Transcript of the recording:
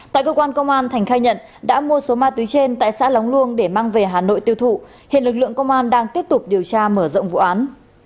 tại cơ quan công an thành khai nhận đã mua số ma túy trên tại xã lóng luông để mang về hà nội tiêu thụ hiện lực lượng công an đang tiếp tục điều tra mở rộng vụ án